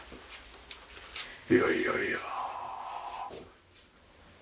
いやいやいや。